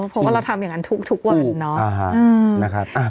เพราะว่าเราทำอย่างงั้นทุกทุกวันเนอะอ่าฮะอืมนะครับอ่า